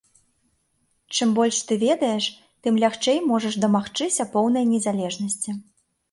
Чым больш ты ведаеш, тым лягчэй можаш дамагчыся поўнай незалежнасці.